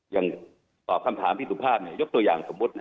อย่างตอบคำถามพี่สุภาพยกตัวอย่างสมมุติ